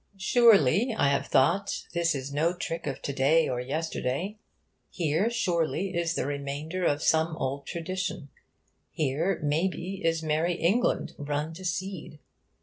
Surely, I have thought, this is no trick of to day or yesterday: here, surely, is the remainder of some old tradition; here, may be, is Merrie England, run to seed.